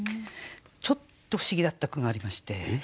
ちょっと不思議だった句がありまして。